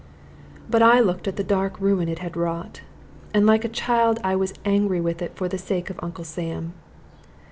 But I looked at the dark ruin it had wrought, and like a child I was angry with it for the sake of Uncle Sam.